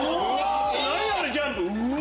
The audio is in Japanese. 何あれ⁉ジャンプ。